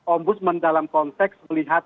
ombudsman dalam konteks melihat